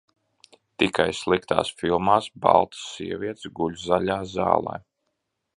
Tikai sliktās filmās baltas sievietes guļ zaļā zālē.